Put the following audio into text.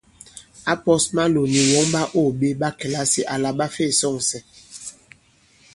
Ǎ pɔ̌s Maloò nì wɔn ɓàô ɓe ɓa kìlasì àla ɓa fe sɔ̂ŋsɛ.